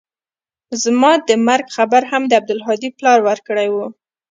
زما د مرګ خبر هم د عبدالهادي پلار ورکړى و.